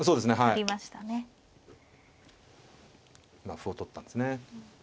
今歩を取ったんですね。